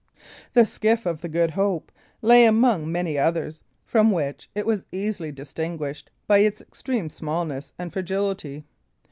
The skiff of the Good Hope lay among many others, from which it was easily distinguished by its extreme smallness and fragility.